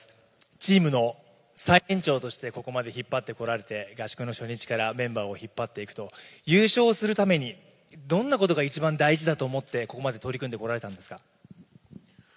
チームの最年長としてここまで引っ張ってこられて、合宿の初日からメンバーを引っ張っていくと、優勝するために、どんなことが一番大事だと思って、ここまで取り組んでこられたんですか。